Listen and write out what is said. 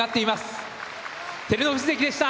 照ノ富士関でした。